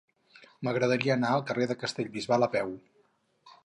M'agradaria anar al carrer de Castellbisbal a peu.